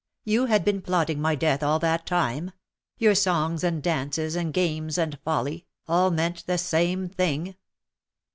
You had been plotting my death all that time. Your songs and dances, and games and folly, all meant the same thing."